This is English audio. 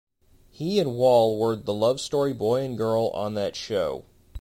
He and Wall were the "Love Story Boy and Girl" on that show.